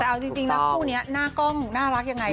แต่เอาจริงนะคู่นี้หน้ากล้องน่ารักยังไง